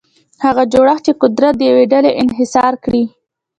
هغه جوړښت چې قدرت د یوې ډلې انحصار کړي.